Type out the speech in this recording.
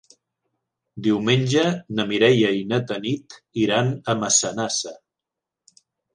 Diumenge na Mireia i na Tanit iran a Massanassa.